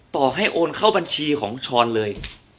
ต่อให้โอนเข้าบัญชีของช้อนเลย